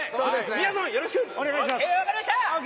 みやぞん、よろしくお願いします。